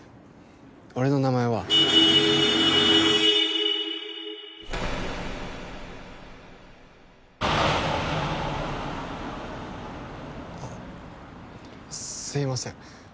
俺の名前はあすいません